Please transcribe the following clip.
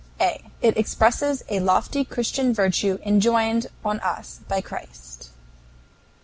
A. It expresses a lofty Christian virtue enjoined on us by Christ.